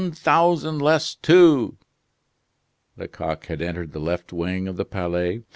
998 1,000 less 2 " Lecoq had entered the left wing of the Palais.